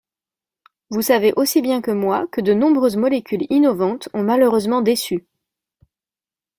Vous savez aussi bien que moi que de nombreuses molécules innovantes ont malheureusement déçu.